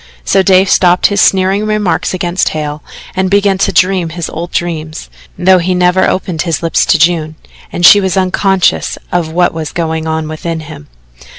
So Dave stopped his sneering remarks against Hale and began to dream his old dreams, though he never opened his lips to June, and she was unconscious of what was going on within him.